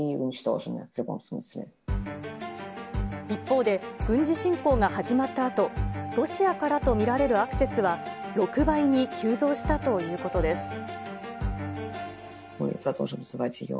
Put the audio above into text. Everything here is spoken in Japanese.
一方で軍事侵攻が始まったあと、ロシアからと見られるアクセスは６倍に急増したということです。